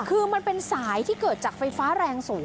คือมันเป็นสายที่เกิดจากไฟฟ้าแรงสูง